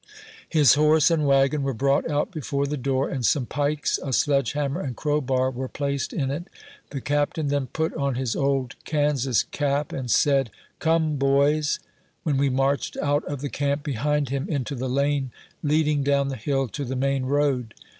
His horse and wagon were brought out before the door, and some pikes, a sledge hammer and crowbar were placed in it The Captain then put on his old Kansas cap, and said : 32 A VOICE FROM HARPER'S FERRY. " Come, boys !" when we marched out of the camp behind him, into the lane leading down the hill to the main road.